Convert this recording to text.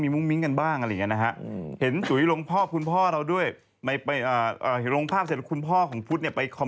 นี่ไงเรียบร้อยด้วยพ่อตกลงยังจำภุร์ได้ไหม